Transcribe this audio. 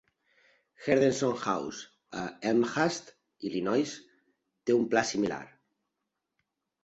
Henderson House a Elmhurst, Illinois té un pla similar.